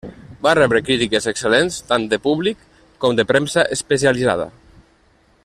Va rebre crítiques excel·lents, tant de públic com de premsa especialitzada.